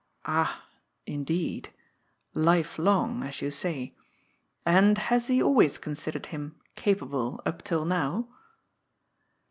" Ah ! Indeed. Life long, as you say. And has he al ways considered him capable up till now